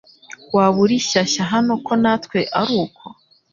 Waba uri shyashya hano ko natwe aruko